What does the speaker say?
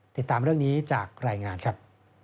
ติดตามเรื่องนี้จากรายงานครับ